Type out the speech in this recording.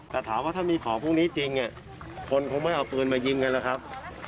แต่ถามว่าถ้ามีของพวกนี้จริงคนคงไม่เอาปืนมายิงกันนะครับ